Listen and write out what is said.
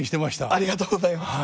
ありがとうございます。